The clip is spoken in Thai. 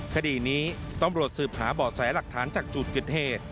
คดีนี้ตำรวจสืบหาเบาะแสหลักฐานจากจุดเกิดเหตุ